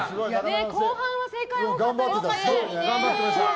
後半は正解が多かったんですけどね。